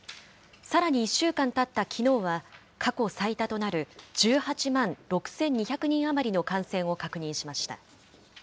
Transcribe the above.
さらに１週間たったきのうは、過去最多となる１８万６２００人余りの感染を確認しました。